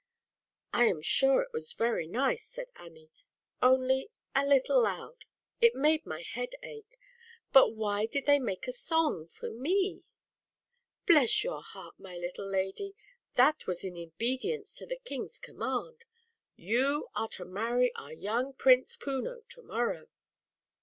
"I am sure it was very nice," said Annie, "only a little loud it made my head ache. But why did they make a song for me? "" Bless your heart, my little lady, that was in obedience to the King's com mand. You are to marry our young Prince Kuno to morrow."